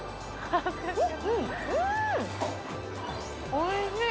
おいしい。